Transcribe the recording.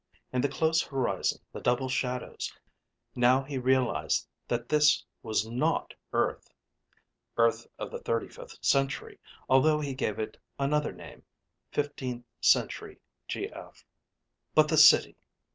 And the close horizon, the double shadows ... now he realized that this was not Earth (Earth of the Thirty fifth Century, although he gave it another name, Fifteenth Century G.F.). But the City....